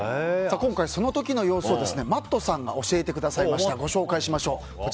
今回、その時の様子をＭａｔｔさんが教えてくださいました。